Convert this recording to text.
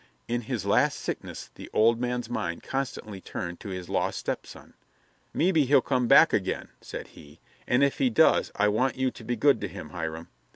In his last sickness the old man's mind constantly turned to his lost stepson. "Mebby he'll come back again," said he, "and if he does I want you to be good to him, Hiram.